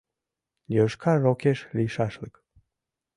Йошкар рокеш лийшашлык.